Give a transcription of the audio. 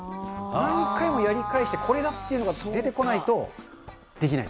何回もやり返して、これだっていうのが出てこないと、できない。